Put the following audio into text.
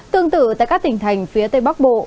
tương tự tại các tỉnh thành phía tây bắc bộ